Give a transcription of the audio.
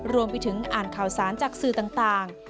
รวมไปถึงอ่านข่าวสารจากสื่อต่าง